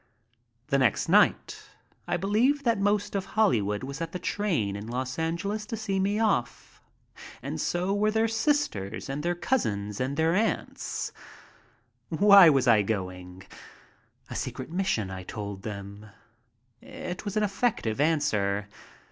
The next night I believe that most of Hollywood was at the train in Los Angeles to see me off. And so were their sisters and their cousins and their aunts. Why was I going? A secret mission, I told them. It was an effective answer.